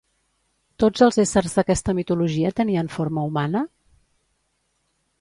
Tots els éssers d'aquesta mitologia tenien forma humana?